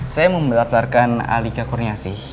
saya mau melatarkan alika kurniasih